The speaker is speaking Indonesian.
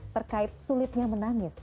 terkait sulitnya menangis